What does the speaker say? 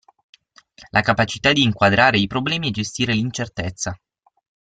La capacità di inquadrare i problemi e gestire l'incertezza.